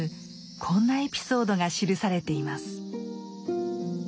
こんなエピソードが記されています。